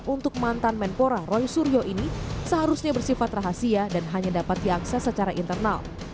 untuk mantan menpora roy suryo ini seharusnya bersifat rahasia dan hanya dapat diakses secara internal